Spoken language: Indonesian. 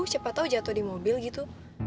siapa tahu jatuh di mobil gitu